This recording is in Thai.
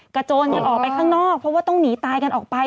โจรกันออกไปข้างนอกเพราะว่าต้องหนีตายกันออกไป